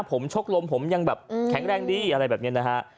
ผมชกลมผมยังแบบแข็งแรงดีอะไรแบบนี้นะฮะ